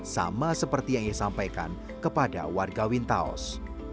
sama seperti yang disampaikan kepada warga wintaos